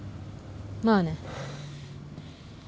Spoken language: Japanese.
まあね。